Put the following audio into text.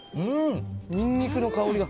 ニンニクの香りが。